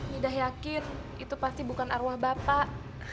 midah yakin itu pasti bukan arwah bapak